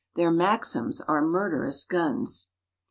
Their Maxims are murderous guns!